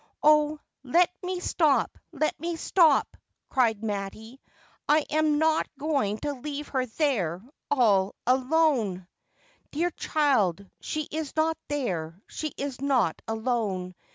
' Oh, let me stop, let me stop !' cried Mattie. ' I am not going to leave her there, — all — alone.' ' Dear child, she is not there, she is not alone.